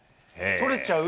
取れちゃう。